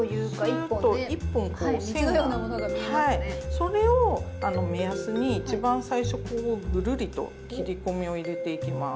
それを目安に一番最初こうグルリと切り込みを入れていきます。